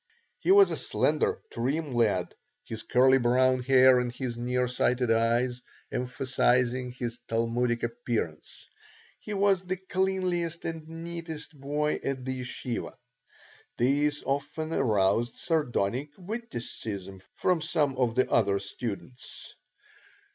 He was a slender, trim lad, his curly brown hair and his near sighted eyes emphasizing his Talmudic appearance. He was the cleanliest and neatest boy at the yeshivah. This often aroused sardonic witticism from some of the other students.